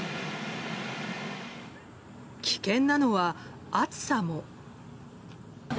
危険なのは、暑さも。